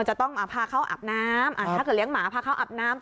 จะต้องพาเขาอาบน้ำถ้าเกิดเลี้ยงหมาพาเขาอาบน้ำ